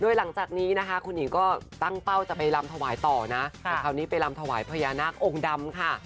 หลังจากนี้นะคะคุณหญิงก็ตั้งเป้าจะไปลำถวายต่อนะแต่คราวนี้ไปลำถวายพญานาคองค์ดำค่ะ